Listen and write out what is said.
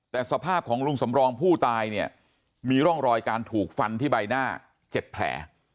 แต่สภาพของลุงสำรองผู้ตายเนี่ยมีร่องรอยการถูกฟันที่ใบหน้า๗แผล